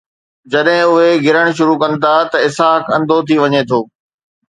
جڏهن اهي گرڻ شروع ڪن ٿا ته اسحاق انڌو ٿي وڃي ٿو.